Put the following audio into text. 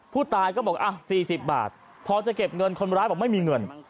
ผู้ตายก็บอก๔๐บาทพอจะเก็บเงินคนร้ายบอกไม่มีเงิน